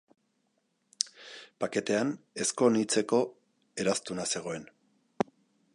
Paketean ezkon-hitzeko eraztuna zegoen.